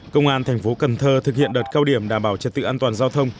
công an thành phố cần thơ thực hiện đợt cao điểm đảm bảo trật tự an toàn giao thông